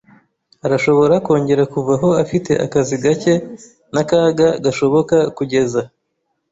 arashobora kongera kuvaho afite akazi gake n'akaga gashoboka; kugeza